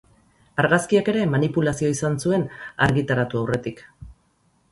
Argazkiak ere manipulazioa izan zuen argitaratu aurretik.